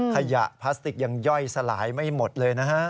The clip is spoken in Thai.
พลาสติกยังย่อยสลายไม่หมดเลยนะฮะ